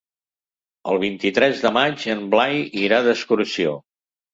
El vint-i-tres de maig en Blai irà d'excursió.